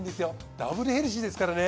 ダブルヘルシーですからね。